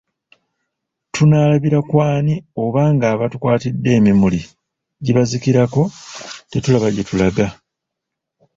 Tunaalabira ku ani oba ng'abatukwatidde emimuli gibazikirako tetulaba gye tulaga !